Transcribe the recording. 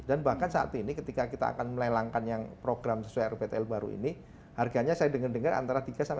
dan bahkan saat ini ketika kita akan melelangkan yang program sesuai rptl baru ini harganya saya dengar dengar antara tiga sampai empat